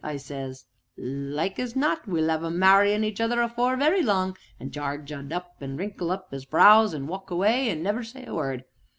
I says; 'like as not we'll 'ave 'em marryin' each other afore very long!' an' Jarge 'ud just wrinkle up 'is brows, an' walk away, an' never say a word.